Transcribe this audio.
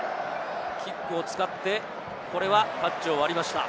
キックを使って、これはタッチを割りました。